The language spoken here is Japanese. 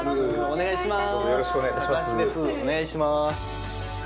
お願いします。